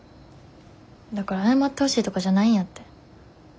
だから謝ってほしいとかじゃないんやって。